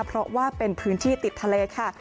เพราะว่าเป็นพื้นที่ติดทะเลค่ะ